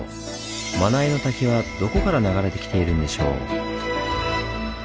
真名井の滝はどこから流れてきているんでしょう？